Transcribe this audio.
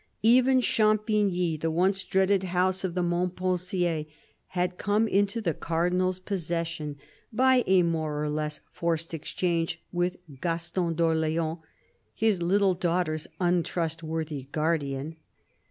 Even Champigny, the once dreaded house of the Montpensiers, had come into the Cardinal's possession by a more or less forced exchange with Gaston d'0rl6ans, his little daughter's untrustworthy guardian.